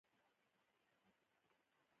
افسر په غوسه شو چې ته ولې ماته لاره ښیې